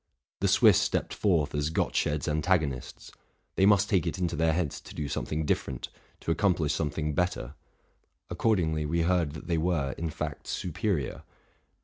The Swiss stepped forth as Gottsched's antagonists : they must take it into their heads to do something different, to accomplish something better; accordingly we heard that they were, in fact, superior.